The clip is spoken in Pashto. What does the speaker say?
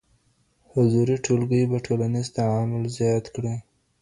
حضوري ټولګي به ټولنيز تعامل زيات کړي.